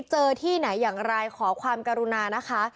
ที่ไหนอย่างไรขอความกรุณานะคะ